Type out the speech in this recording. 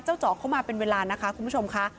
เจาะเข้ามาเป็นเวลานะคะคุณผู้ชมค่ะ